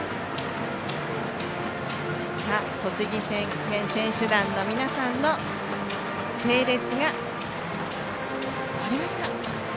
栃木県選手団の皆さんの整列が終わりました。